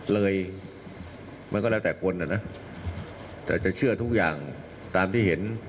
เลยมันก็แล้วแต่คนน่ะนะแต่จะเชื่อทุกอย่างตามที่เห็น